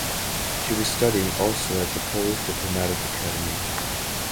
She was studying also at the Polish Diplomatic Academy.